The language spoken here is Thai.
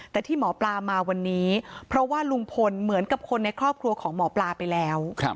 แต่ที่หมอปลามาวันนี้เพราะว่าลุงพลเหมือนกับคนในครอบครัวของหมอปลาไปแล้ว